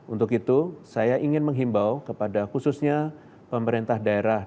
untuk itu saya ingin menghimbau kepada khususnya pemerintah daerah